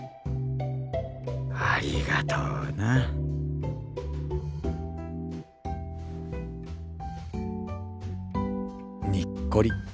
ありがとうな。にっこり。